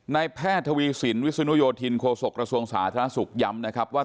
ในแพทย์ทวีสินวิสุนโยธินโคศกระทรวงศาสตร์ธรรมสุขย้ำนะครับว่า